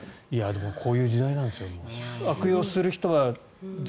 でもこういう時代なんですよ